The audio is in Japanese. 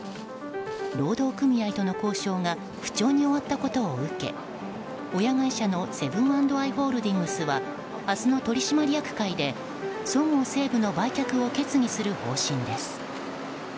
労働組合との交渉が不調に終わったことを受け親会社のセブン＆アイ・ホールディングスは明日の取締役会でそごう・西武の売却を決議する方針です。